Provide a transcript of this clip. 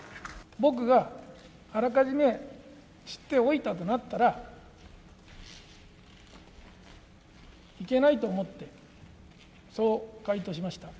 僕があらかじめ知っておいたとなったら、いけないと思って、そう回答しました。